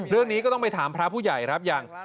เรื่องนี้ก็ต้องไปถามพระผู้ใหญ่ครับยัง